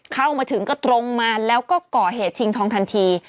เข้ามาถึงก็ตรงมาแล้วก็ก่อเหตุชิงทองทันที